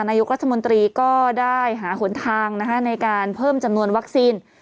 นายกรัฐมนตรีก็ได้หาหนทางในการเพิ่มจำนวนวัคซีน